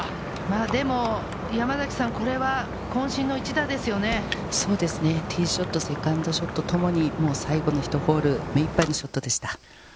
でも山崎さん、これは渾ティーショット、セカンドショットともに最後のひとホール、目いっぱいのショットでした。